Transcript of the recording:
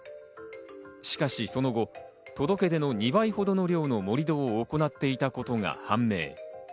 しかしその後、届け出の２倍ほどの量の盛り土を行っていたことが判明。